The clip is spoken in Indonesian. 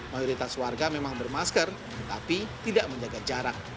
mayoritas warga memang bermasker tapi tidak menjaga jarak